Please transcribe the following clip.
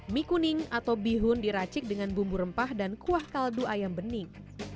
mie kuning atau bihun diracik dengan bumbu rempah dan kuah kaldu ayam bening